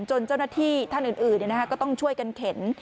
เจ้าหน้าที่ท่านอื่นก็ต้องช่วยกันเข็น